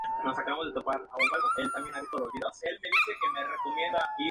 Ésta iba a ser su última campaña importante.